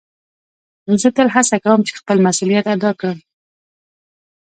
زه تل هڅه کؤم چي خپل مسؤلیت ادا کړم.